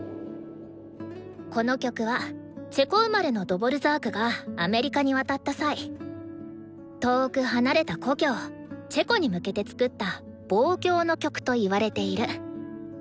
この曲はチェコ生まれのドヴォルザークがアメリカに渡った際遠く離れた故郷チェコに向けて作った望郷の曲と言われている。